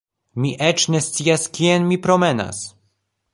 Mi eĉ ne scias kien mi promenas